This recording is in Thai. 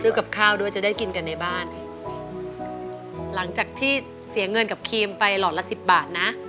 กับข้าวด้วยจะได้กินกันในบ้านหลังจากที่เสียเงินกับครีมไปหลอดละสิบบาทนะ